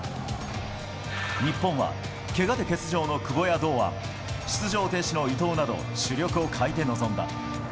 日本はけがで欠場の久保や堂安出場停止の伊東など主力を欠いて臨んだ。